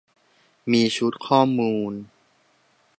มีชุดข้อมูล